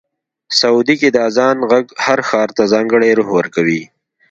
سعودي کې د اذان غږ هر ښار ته ځانګړی روح ورکوي.